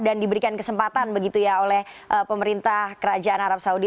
diberikan kesempatan begitu ya oleh pemerintah kerajaan arab saudi